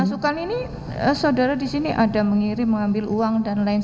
pasukan ini saudara di sini ada mengirim mengambil uang dan lain